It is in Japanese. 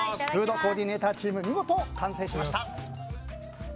フードコーディネーターチームも見事、完成しました。